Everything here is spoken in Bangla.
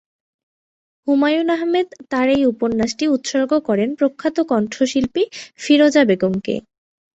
হুমায়ূন আহমেদ তার এই উপন্যাসটি উৎসর্গ করেন প্রখ্যাত কণ্ঠশিল্পী ফিরোজা বেগমকে।